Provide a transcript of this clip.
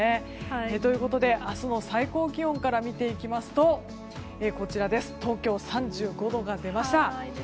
ということで、明日の最高気温から見ていきますと東京、３５度が出ました。